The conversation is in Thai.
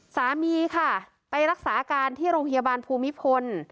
สามีค่ะไปรักษาอาการที่โรงพยาบาลภูมิพล